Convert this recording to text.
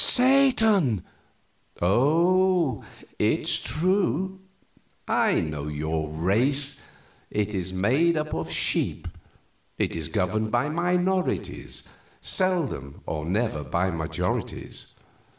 "Satan!" "Oh, it's true. I know your race. It is made up of sheep. It is governed by minorities, seldom or never by majorities.